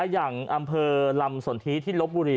อย่างอำเภอลำสนทิที่ลบบุรี